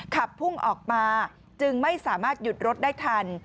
ขับพุ่งออกมาจึงไม่สามารถหยุดรถได้ทัน